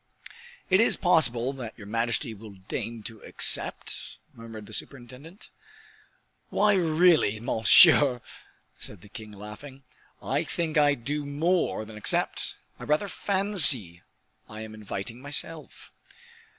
"Is it possible that your majesty will deign to accept?" murmured the superintendent. "Why, really, monsieur," said the king, laughing, "I think I do more than accept; I rather fancy I am inviting myself."